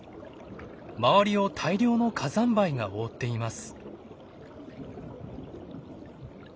周りを大量の火山灰が覆っています。